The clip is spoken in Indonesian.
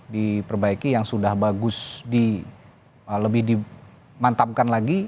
diperbaiki yang sudah bagus lebih dimantapkan lagi